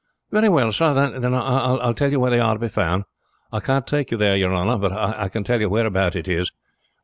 "Very well, sir; then I will tell you where they are to be found. I can't take you there, your honor, but I can tell you whereabout it is.